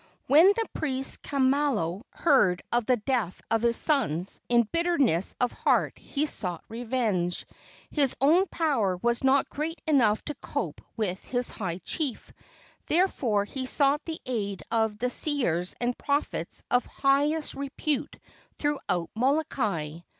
When the priest Kamalo heard of the death of his sons, in bitterness of heart he sought revenge. His own power was not great enough to cope with his high chief; therefore he sought the aid of the seers and prophets of highest repute through¬ out Molokai.